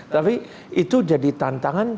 tapi itu jadi tantangan